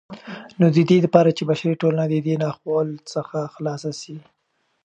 نو ددې دپاره چې بشري ټولنه ددې ناخوالو څخه خلاصه سي